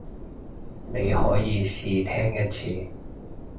你可以試聽一次